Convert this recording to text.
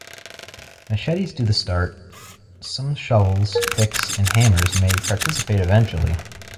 Machetes do the start, some shovels, picks and hammers may participate eventually.